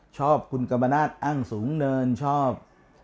ชอบคุณกรรมนาศอ้างสูงเนินชอบ